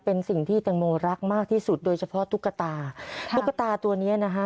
เป็นสิ่งที่แตงโมรักมากที่สุดโดยเฉพาะตุ๊กตาตุ๊กตาตัวเนี้ยนะคะ